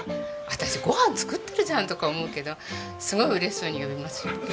私ご飯作ってるじゃんとか思うけどすごい嬉しそうに呼びますよ。